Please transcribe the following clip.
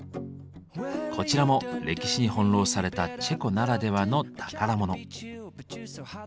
こちらも歴史に翻弄されたチェコならではの宝物。